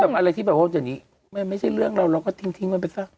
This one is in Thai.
แบบอะไรที่แบบว่าว่าอย่างนี้ไม่ใช่เรื่องเราเราก็ทิ้งไว้ไปสร้าง